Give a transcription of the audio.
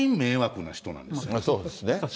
そうですね。